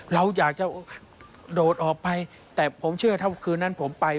เราอยากจะโดดออกไปแต่ผมเชื่อถ้าคืนนั้นผมไป